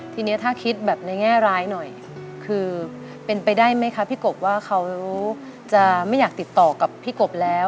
ทีนี้ถ้าคิดแบบในแง่ร้ายหน่อยคือเป็นไปได้ไหมคะพี่กบว่าเขาจะไม่อยากติดต่อกับพี่กบแล้ว